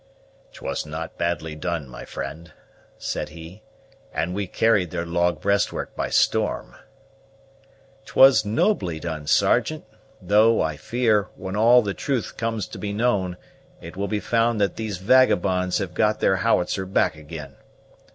"'Twas not badly done, my friend," said he; "and we carried their log breastwork by storm." "'Twas nobly done, Sergeant; though, I fear, when all the truth comes to be known, it will be found that these vagabonds have got their howitzer back ag'in.